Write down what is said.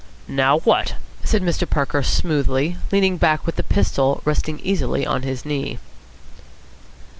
"Now what?" said Mr. Parker smoothly, leaning back with the pistol resting easily on his knee.